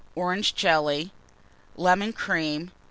Orange Jelly. Lemon Cream.